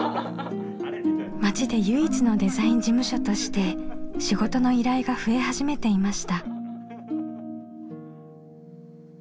町で唯一のデザイン事務所として仕事の依頼が増え始めていました。